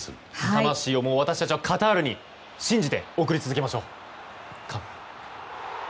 魂を私たちはカタールに信じて送り続けましょう。